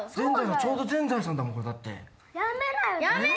ちょうど全財産だもんこれ。やめなよ！